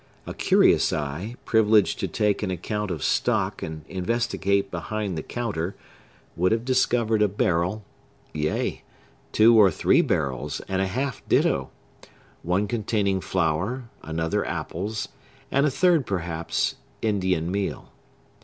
A curious eye, privileged to take an account of stock and investigate behind the counter, would have discovered a barrel, yea, two or three barrels and half ditto,—one containing flour, another apples, and a third, perhaps, Indian meal.